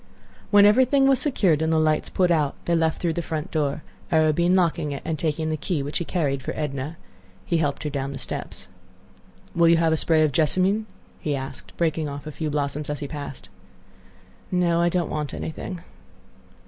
When everything was secured and the lights put out, they left through the front door, Arobin locking it and taking the key, which he carried for Edna. He helped her down the steps. "Will you have a spray of jessamine?" he asked, breaking off a few blossoms as he passed. "No; I don't want anything."